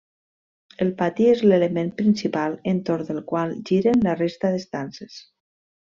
El pati és l'element principal entorn del qual giren la resta d'estances.